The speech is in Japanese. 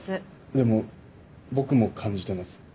でも僕も感じてます。